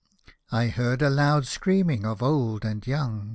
" I heard a loud screaming of old and young.